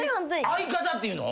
「相方」って言うの？